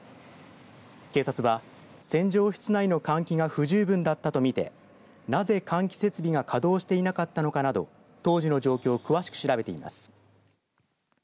警察は、洗浄室内の換気が不十分だったと見てなぜ換気設備が稼働していなかったのかなど当時の状況を詳しく調べています。